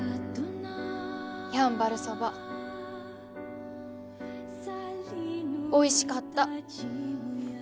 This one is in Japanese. やんばるそばおいしかった。